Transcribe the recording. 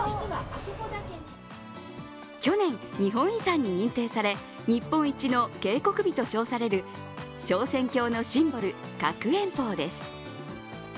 去年日本遺産に認定され、日本一の渓谷美と称される昇仙峡のシンボル覚円峰です。